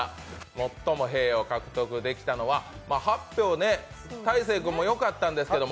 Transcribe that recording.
最もへぇを獲得したのは８票ね、大晴君もよかったんですけど。